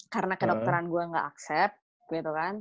karena kedokteran gue gak aksep gitu kan